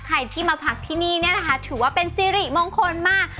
ใครที่มาพักที่นี่เนี่ยนะคะถือว่าเป็นสิริมงคลมาก